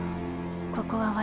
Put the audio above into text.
ここは私が。